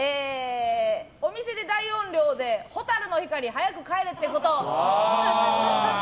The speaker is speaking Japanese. お店で大音量で「蛍の光」早く帰れってこと？